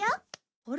あれ？